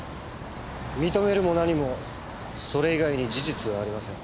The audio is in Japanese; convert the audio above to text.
認めるも何もそれ以外に事実はありません。